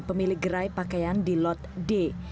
pemilik gerai pakaian di lot f tanah abang